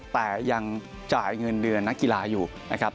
แต่ยังจ่ายเงินเดือนนักกีฬาอยู่นะครับ